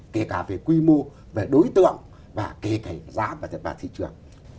kể cả về quy mô về đối tượng và kể cả giá và thị trường